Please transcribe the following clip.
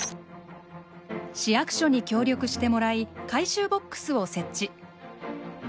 市役所に協力してもらい回収ボックスを設置。